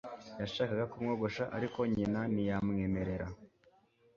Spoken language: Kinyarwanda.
Yashakaga kumwogosha ariko nyina ntiyamwemerera